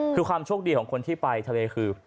คือความโชคดีของคนที่ไปทะเลคือ